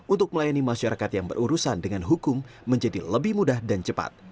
untuk melayani masyarakat yang berurusan dengan hukum menjadi lebih mudah dan cepat